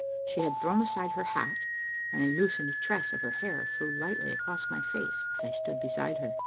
She had thrown aside her hat, and a loosened tress of her hair flew lightly across my face as I stood beside her.